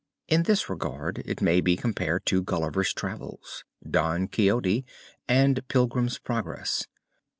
In this regard it may be compared to 'Gulliver's Travels,' 'Don Quixote' and 'Pilgrim's Progress.'